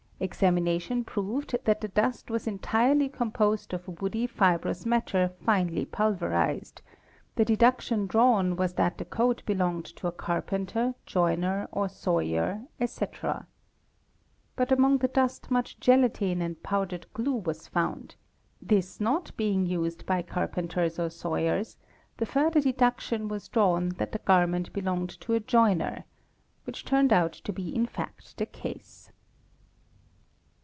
Examination proved that the dust was entirely composed of woody fibrous matter finely pulverised; the deduction draw: was that the coat belonged to a carpenter, joiner, or sawyer, etc. Bu among the dust much gelatine and powdered glue was found, this ne being used by carpenters or sawyers the further deduction was draw that the garment belonged to a joiner,—which turned out to be in fac the case.